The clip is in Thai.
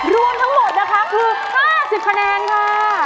รวมทั้งหมดนะคะคือ๕๐คะแนนค่ะ